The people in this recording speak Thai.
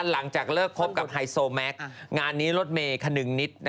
หลังจากเลิกคบกับไฮโซแม็กซ์งานนี้รถเมย์คนึงนิด